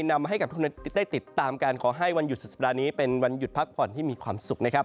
นำให้กับทุกได้ติดตามการขอให้วันหยุดสุดสัปดาห์นี้เป็นวันหยุดพักผ่อนที่มีความสุขนะครับ